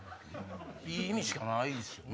いい意味しかないですよね。